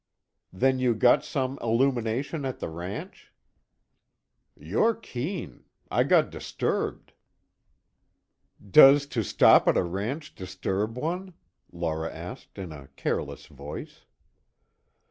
"Then you got some illumination at the ranch?" "You're keen. I got disturbed." "Does to stop at a ranch disturb one?" Laura asked in a careless voice.